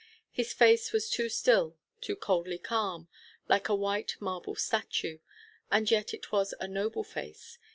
His face was too still, too coldly calm, like a white marble statue; and yet it was a noble face.